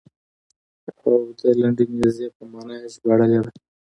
او د لنډې نېزې په معنا یې ژباړلې ده.